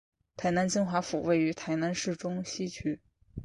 台南金华府位于台南市中西区。